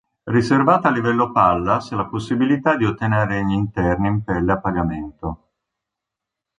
Riservata al livello "Pallas" la possibilità di ottenere gli interni in pelle a pagamento.